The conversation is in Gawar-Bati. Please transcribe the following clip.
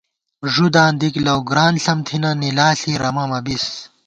ݫُداں دِک لَؤگران ݪم تھنہ، نِلا ݪی رمہ مَبِس